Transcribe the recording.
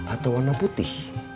atau warna putih